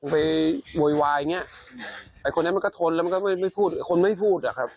ไปโวยวายอย่างเงี้ยไอ้คนนั้นมันก็ทนแล้วมันก็ไม่ไม่พูดคนไม่พูดอะครับ